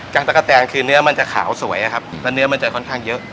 ตะกะแตนคือเนื้อมันจะขาวสวยอะครับแล้วเนื้อมันจะค่อนข้างเยอะ